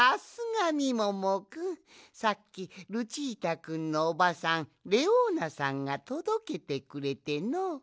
さっきルチータくんのおばさんレオーナさんがとどけてくれての。